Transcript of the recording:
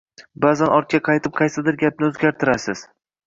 Ba’zan ortga qaytib qaysidir gapni o’zgartirasiz